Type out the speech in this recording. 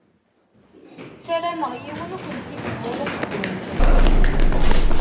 Sarameɣ yiwen ur ken-id-iwala txeddmem-t.